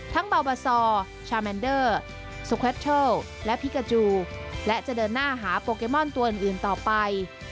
เบาบาซอร์ชาแมนเดอร์สุแคทเทิลและพิกาจูและจะเดินหน้าหาโปเกมอนตัวอื่นต่อไป